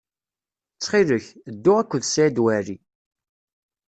Ttxil-k, ddu akked Saɛid Waɛli.